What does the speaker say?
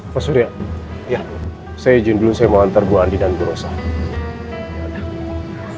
pasurya ya saya ijin dulu saya mau antar gua di dan berusaha